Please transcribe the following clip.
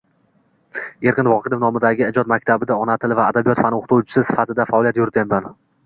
Erkin Vohidov nomidagi ijod maktabida ona tili va adabiyot fani oʻqituvchisi sifatida faoliyat yurityapman.